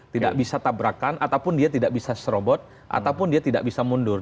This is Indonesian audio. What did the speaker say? tidak bisa tabrakan ataupun dia tidak bisa serobot ataupun dia tidak bisa mundur